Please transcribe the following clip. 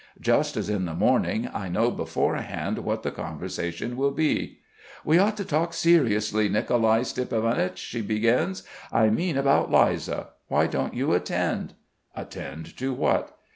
Just as in the morning, I know beforehand what the conversation will be. "We ought to talk seriously, Nicolai Stiepanovich," she begins. "I mean about Liza. Why won't you attend?" "Attend to what?"